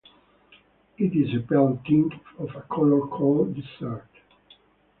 It is a pale tint of a color called "desert".